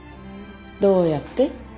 どうやって？